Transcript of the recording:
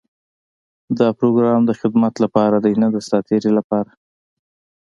دا پروګرام د خدمت لپاره دی، نۀ د ساعتېري لپاره.